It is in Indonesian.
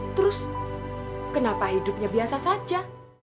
terus kenapa hidupnya biasa saja